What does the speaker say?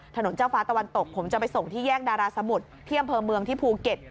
เจ้าฟ้าตะวันตกผมจะไปส่งที่แยกดาราสมุทรที่อำเภอเมืองที่ภูเก็ต